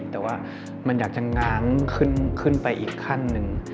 แต่ว่ามันอยากจะง้างขึ้นไปอีกขั้นหนึ่ง